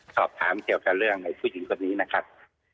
สอบถามเกี่ยวกับเรื่องในผู้หญิงคนนี้นะครับ